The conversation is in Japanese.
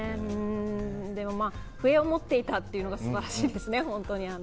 でも笛を持っていたというのが素晴らしいですね、本当に。